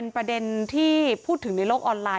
ประเด็นที่พูดถึงในโลกออนไลน